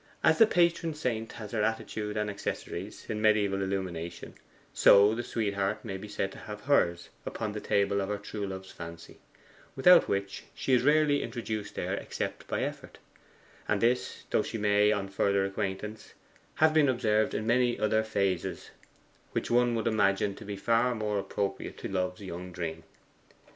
As the patron Saint has her attitude and accessories in mediaeval illumination, so the sweetheart may be said to have hers upon the table of her true Love's fancy, without which she is rarely introduced there except by effort; and this though she may, on further acquaintance, have been observed in many other phases which one would imagine to be far more appropriate to love's young dream.